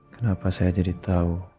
kenapa saya jadi tau